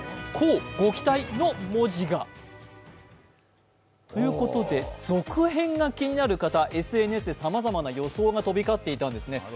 乞うご期待！の文字が。ということで続編が気になる方、ＳＮＳでさまざまな予想が飛び交っていたんですね。